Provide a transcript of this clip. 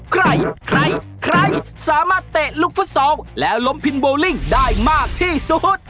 ใครใครสามารถเตะลูกฟุตซอลแล้วล้มพินโบลิ่งได้มากที่สุด